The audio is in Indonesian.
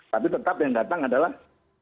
tapi tetap yang datang adalah